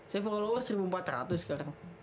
saya followers seribu empat ratus sekarang